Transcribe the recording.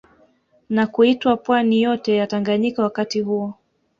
Na kuitwaa Pwani yote ya Tanganyika wakati huo